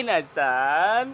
mau ngapain ya san